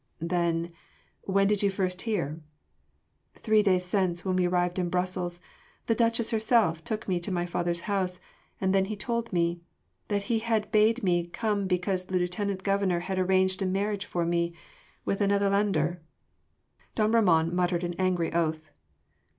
"Then ... when did you first hear?" "Three days since, when we arrived in Brussels. The Duchess herself took me to my father’s house, and then he told me ... that he had bade me come because the Lieutenant Governor had arranged a marriage for me ... with a Netherlander." Don Ramon muttered an angry oath.